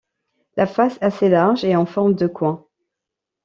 La face assez large est en forme de coin.